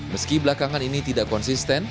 meski belakangan ini tidak konsisten